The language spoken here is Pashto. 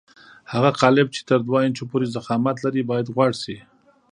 هغه قالب چې تر دوه انچو پورې ضخامت لري باید غوړ شي.